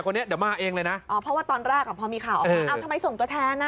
เพราะว่าตอนแรกเหรอพอมีข่าวครับอ้าวทำไมส่งตัวแทนอ่ะ